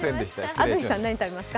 安住さんは何、食べますか？